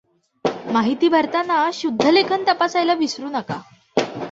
माहिती भरताना शुद्धलेखन तपासायला विसरू नका!